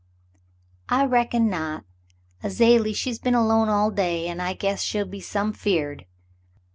"I reckon not. Azalie, she's been alone all day, an' I guess she'll be some 'feared.